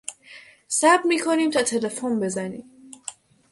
صبر میکنیم تا تلفن بزنی.